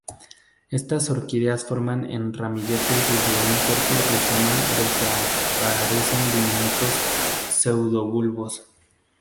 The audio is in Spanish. Estas orquídeas forman en ramilletes desde un corto rizoma del que aparecen diminutos pseudobulbos.